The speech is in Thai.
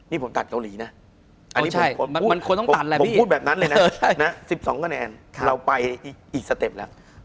นี่ผมตัดเกาหลีนะอันนี้ผมพูดแบบนั้นเลยนะ๑๒คะแนนเราไปอีกสเต็ปแล้ว